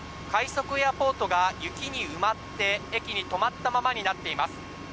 快速エアポートが雪に埋まって駅に止まったままになっています。